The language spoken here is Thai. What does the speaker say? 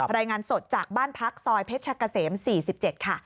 รายงานสดจากบ้านพักซอยเพชรกะเสม๔๗ค่ะ